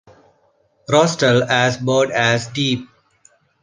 Rostral as broad as deep.